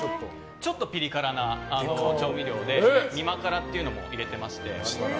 ちょっとピリ辛な調味料でみまからっていうのを入れていまして。